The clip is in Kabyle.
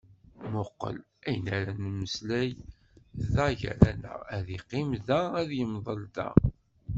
Muqel! Ayen ara nemmeslay da gar-aneɣ, ad yeqqim da, ad yemḍel da.